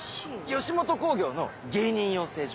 吉本興業の芸人養成所！